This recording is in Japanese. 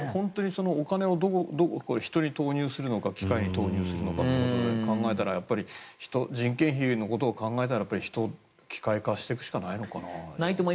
お金を人に投入するのか機械に投入するのかで考えたら人件費のことを考えたら機械化していくしかないのかな。